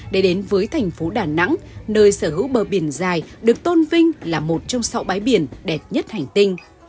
để đến với thành phố đà nẵng nơi sở hữu bờ biển dài được tôn vinh là một trong sáu bãi biển đẹp nhất hành tinh